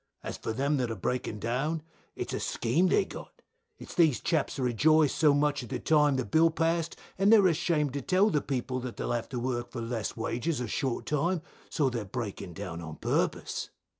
As for them that are breaking down, it's a scheme they've got, it's these chaps that rejoiced so much at the time the bill passed, and they are ashamed to tell the people that they'll have to work for less wages or short time, so they are breaking down on purpose.